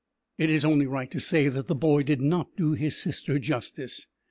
It is only right to say that the boy did not do his sister justice.